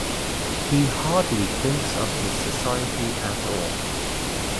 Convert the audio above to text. He hardly thinks of his society at all